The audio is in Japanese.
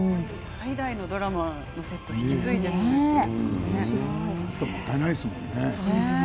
代々のドラマのセットを引き継いでいるんですね。